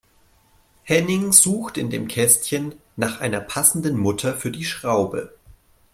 Henning sucht in dem Kästchen nach einer passenden Mutter für die Schraube.